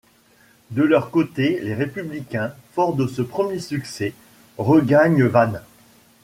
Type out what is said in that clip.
De leur côté les Républicains, forts de ce premier succès, regagnent Vannes.